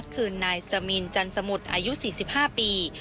คือนายสมินจันสมุทรอายุ๔๕ปี